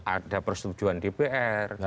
ada persetujuan dpr